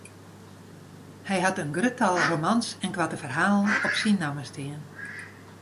Hy hat in grut tal romans en koarte ferhalen op syn namme stean.